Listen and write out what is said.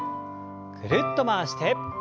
ぐるっと回して。